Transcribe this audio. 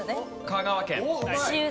香川県。